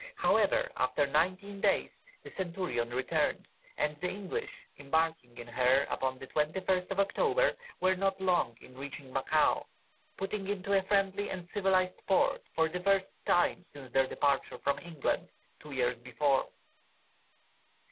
However, after nineteen days, the Centurion returned, and the English, embarking in her upon the 21st of October, were not long in reaching Macao, putting into a friendly and civilized port for the first time since their departure from England, two years before.